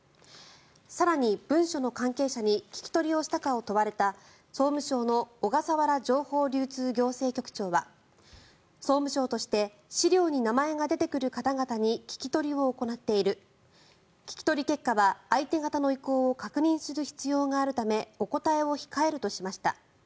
更に文書の関係者に聞き取りをしたかを問われた総務省の小笠原情報流通行政局長は総務省として資料に名前が出てくる方々に聞き取りを行っている聞き取り結果は相手方の意向を確認する必要があるためお答えを控えるとしました。